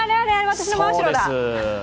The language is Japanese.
私の真後ろだ！